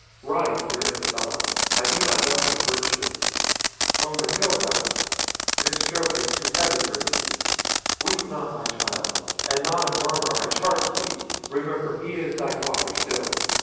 Rise, dear Isabella; I do not doubt your virtue. Oh! Matilda, this stroke is too heavy for thee! weep not, my child; and not a murmur, I charge thee. Remember, he is thy father still!"